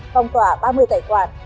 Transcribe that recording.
phòng tỏa ba mươi tài khoản